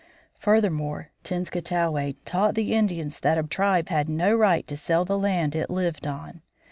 Furthermore, Tenskwatawa taught the Indians that a tribe had no right to sell the land it lived on.